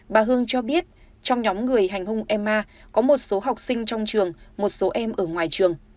bà hương cho biết trong nhóm người hành hùng emma có một số học sinh trong trường một số em ở ngoài trường